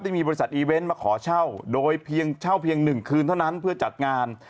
มีบริษัทอีเวนต์มาขอเช่าโดยเพียงเช่าเพียง๑คืนเท่านั้นเพื่อจัดงาน